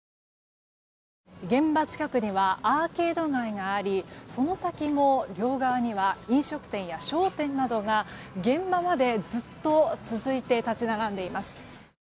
現場近くではアーケード街がありその先も両側には飲食店や商店などが現場までずっと続いて立ち並んでいます。